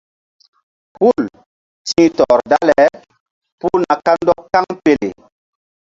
Hul ti̧h tɔr dale puh na kandɔk kaŋpele.